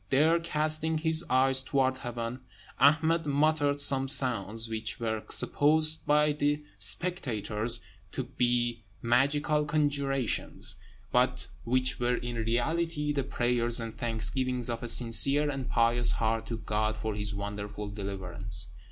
There, casting his eyes towards heaven, Ahmed muttered some sounds, which were supposed by the spectators to be magical conjurations, but which were in reality the prayers and thanksgivings of a sincere and pious heart to God for his wonderful deliverance.